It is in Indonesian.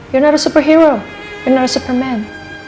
kamu bukan superhero kamu bukan superman